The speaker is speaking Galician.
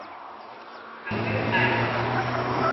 Manuel Arias.